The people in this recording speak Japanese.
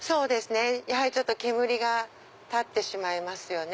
やはり煙が立ってしまいますよね。